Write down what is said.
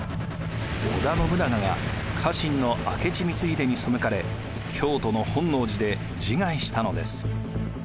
織田信長が家臣の明智光秀にそむかれ京都の本能寺で自害したのです。